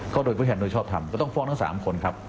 ก็โดยผู้แทนโดยชอบทำก็ต้องฟ้องทั้ง๓คนครับ